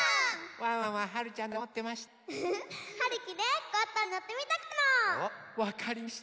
ワンワンははるちゃんだとおもってました。